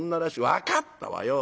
「分かったわよ。